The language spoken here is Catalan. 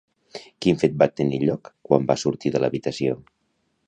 Quin fet va tenir lloc quan va sortir de l'habitació?